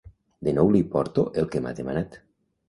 De nou li porto el que m'ha demanat.